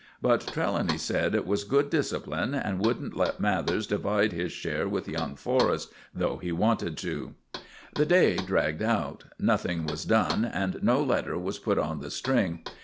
But Trelawny said it was good discipline, and wouldn't let Mathers divide his share with young Forrest, though he wanted to. The day dragged out. Nothing was done, and no letter was put on the string.